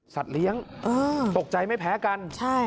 สัตว์เลี้ยงอืมตกใจไม่แพ้กันใช่